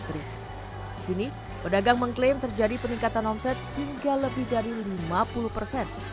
pada hari ini pedagang mengklaim terjadi peningkatan omset hingga lebih dari lima puluh persen